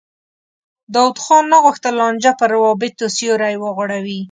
داود خان نه غوښتل لانجه پر روابطو سیوری وغوړوي.